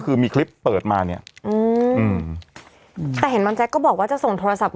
ถือขึ้นแม่นะคะต้องแข่งบ่เป็นที่แล้วน่ะ